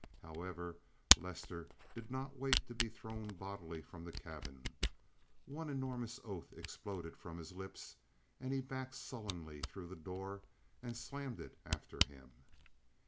However, Lester did not wait to be thrown bodily from the cabin. One enormous oath exploded from his lips, and he backed sullenly through the door and slammed it after him.